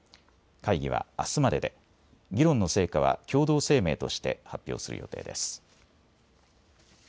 会議はあすまでで議論の成果は共同声明として発表する予定です。